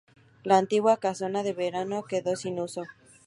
La antigua casona de veraneo quedó sin uso.